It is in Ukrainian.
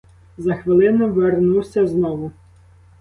За хвилину вернувся знову.